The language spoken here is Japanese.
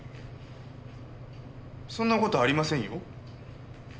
そんな事ありませんよ。